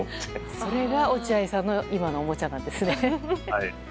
それが、落合さんの今のおもちゃなんですね。